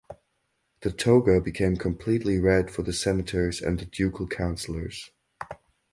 The toga became completely red for the senators and the ducal councilors.